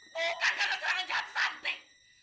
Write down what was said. bukan karena suaranya jatuh